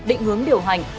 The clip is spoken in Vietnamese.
định hướng điều hành